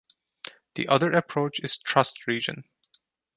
The other approach is trust region.